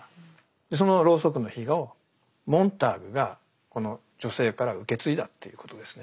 そのロウソクの火をモンターグがこの女性から受け継いだということですね。